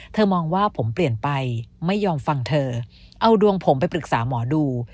มองว่าผมเปลี่ยนไปไม่ยอมฟังเธอเอาดวงผมไปปรึกษาหมอดู